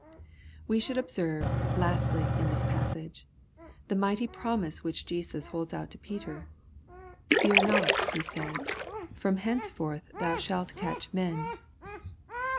We should observe, lastly, in this passage, the mighty promise which Jesus holds out to Peter :" Fear not," He says, '^ from henceforth thou shalt catch men."